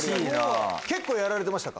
結構やられてましたか？